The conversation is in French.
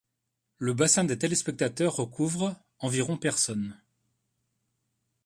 Le bassin des téléspectateurs recouvre environ personnes.